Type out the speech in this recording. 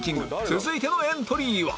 続いてのエントリーは